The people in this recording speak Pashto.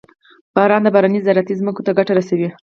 • باران د بارانۍ زراعتي ځمکو ته ګټه رسوي.